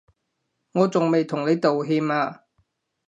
我仲未同你道歉啊